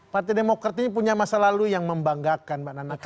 partai demokrat ini punya masa lalu yang membanggakan mbak nana